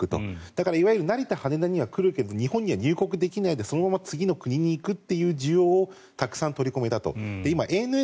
だからいわゆる成田、羽田には来るけれど日本は入国できずにそのまま次の国に行くという需要をたくさん取り込めたと。